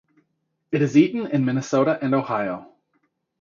It is eaten in Minnesota and Ohio.